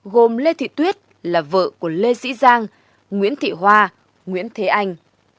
gồm lê thị tuyết là vợ của lê sĩ giang nguyễn thị hoa nguyễn thế anh